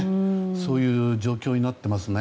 そういう状況になっていますね。